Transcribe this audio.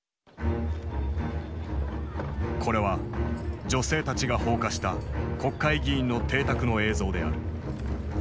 これは女性たちが放火した国会議員の邸宅の映像である。